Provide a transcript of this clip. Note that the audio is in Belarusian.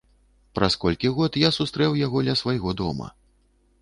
Праз колькі год я сустрэў яго ля свайго дома.